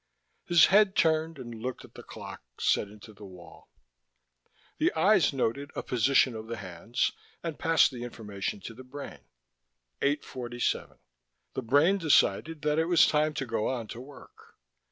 His head turned and looked at the clock set into his wall. The eyes noted a position of the hands and passed the information to the brain: 8:47. The brain decided that it was time to go on to work.